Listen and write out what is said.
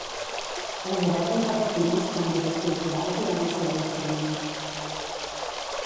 El govern va patir molts canvis estructurals durant el segle següent.